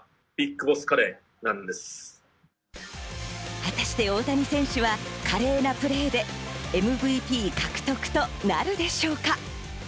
果たして大谷選手は華麗なプレーでＭＶＰ獲得となるでしょうか。